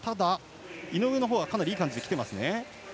井上はかなりいい感じできています。